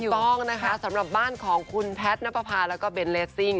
ต้องนะคะสำหรับบ้านของคุณแพทย์นับประพาแล้วก็เบนเลสซิ่ง